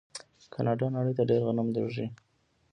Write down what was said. کاناډا نړۍ ته ډیر غنم لیږي.